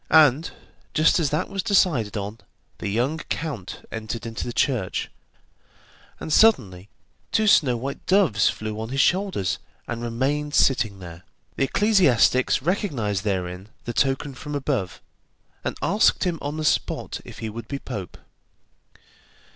And just as that was decided on, the young count entered into the church, and suddenly two snow white doves flew on his shoulders and remained sitting there. The ecclesiastics recognized therein the token from above, and asked him on the spot if he would be pope.